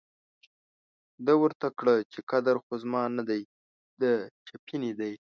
ده ورته کړه چې قدر خو زما نه دی، د چپنې دی.